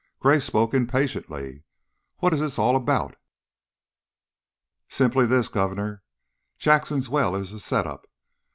Gray spoke impatiently. "What is this all about?" "Simply this, Governor: Jackson's well is a 'set up'!